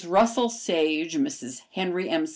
Russell Sage, Mrs. Henry M.